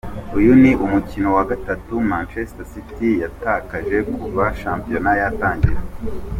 Uyu ni umukino wa gatanu Manchester City yatakaje kuva shampiyona yatangira.